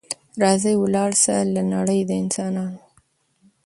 راځه ولاړ سه له نړۍ د انسانانو